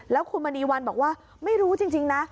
แล้วคุณมณีวันบอกว่าไม่รู้จริงนะ